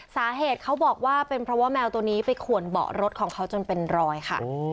สาเหตุเขาบอกว่าเป็นเพราะว่าแมวตัวนี้ไปขวนเบาะรถของเขาจนเป็นรอยค่ะ